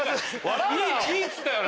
「い」っつったよな？